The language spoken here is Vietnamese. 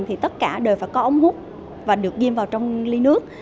thì tất cả đều phải có ống hút và được ghim vào trong ly nước